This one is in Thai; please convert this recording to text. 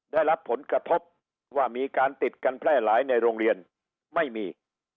ได้รับผลกระทบว่ามีการติดกันแพร่หลายในโรงเรียนไม่มี